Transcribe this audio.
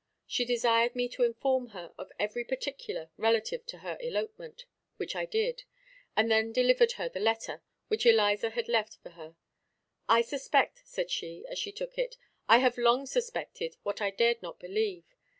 She desired me to inform her of every particular relative to her elopement, which I did, and then delivered her the letter which Eliza had left for her. "I suspect," said she, as she took it; "I have long suspected what I dared not believe.